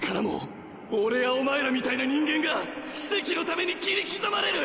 俺やお前らみたいな人間が奇蹟のために切り刻まれる！